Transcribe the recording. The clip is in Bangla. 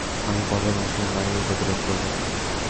আমি পথেই মুসলিম বাহিনীর গতিরোধ করব।